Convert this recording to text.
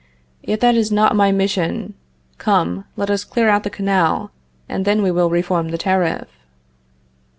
Yet that is not my mission. Come, let us clear out the canal, and then we will reform the tariff."